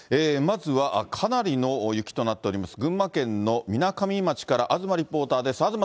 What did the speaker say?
まずは、かなりの雪となっております、群馬県のみなかみ町から東リポーターです。